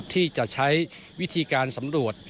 ที่จะใช้วิธีการสำรวจ